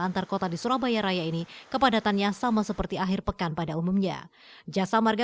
antar kota di surabaya raya ini kepadatannya sama seperti akhir pekan pada umumnya jasa marga